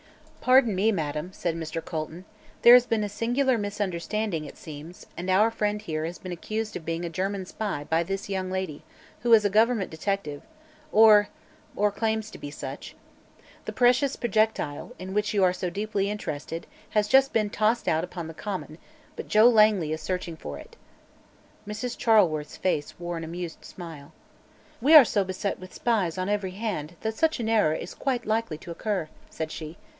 "Pardon me, madam," said Mr. Colton. "There has been a singular misunderstanding, it seems, and our friend here has been accused of being a German spy by this young lady, who is a government detective or or claims to be such. The precious projectile, in which you are so deeply interested, has just been tossed out upon the common, but Joe Langley is searching for it." Mrs. Charleworth's face wore an amused smile. "We are so beset with spies, on every hand, that such an error is quite likely to occur," said she.